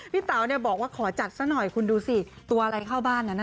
เต๋าบอกว่าขอจัดซะหน่อยคุณดูสิตัวอะไรเข้าบ้านนั้น